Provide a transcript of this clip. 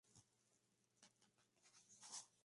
República de Portugal, entre Francisco Seguí y Lascano.